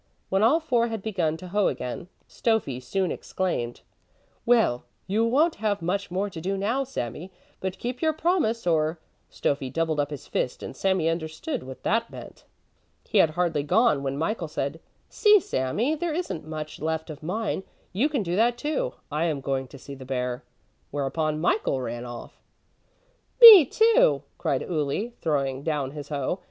When all four had begun to hoe again, Stöffi soon exclaimed: "Well, you won't have much more to do now, Sami, but keep your promise, or " Stöffi doubled up his fist, and Sami understood what that meant. He had hardly gone when Michael said: "See, Sami, there isn't much left of mine, you can do that too; I am going to see the bear." Whereupon Michael ran off. "Me, too," cried Uli, throwing down his hoe.